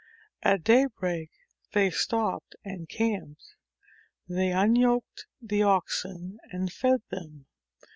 At daybreak they stopped and camped. They un yoked the oxen, and fed them.